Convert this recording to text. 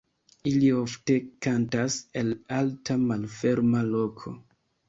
Ili ofte kantas el alta malferma loko.